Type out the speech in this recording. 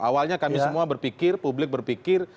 awalnya kami semua berpikir publik berpikir